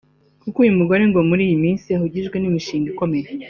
Kuko uyu mugore ngo muri iyi minsi ahugijwe n’imishinga ikomeye